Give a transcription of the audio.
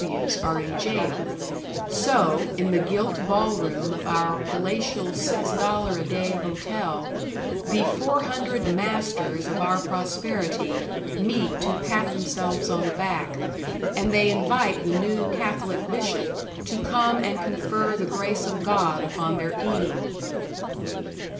W.W.'s are in jail; so, in the gilt ball room of our palatial six dollar a day hotel the four hundred masters of our prosperity meet to pat themselves on the back, and they invite the new Catholic bishop to come and confer the grace of God upon their eating.